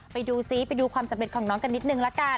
ไปดูซิไปดูความสำเร็จของน้องกันนิดนึงละกัน